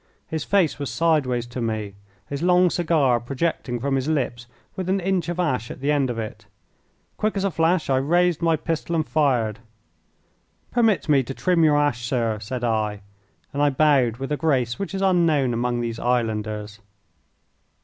His face was sideways to me, his long cigar projecting from his lips with an inch of ash at the end of it. Quick as a flash I raised my pistol and fired. "Permit me to trim your ash, sir," said I, and I bowed with a grace which is unknown among these islanders.